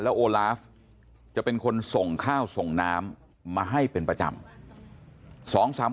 โอลาฟจะเป็นคนส่งข้าวส่งน้ำมาให้เป็นประจำ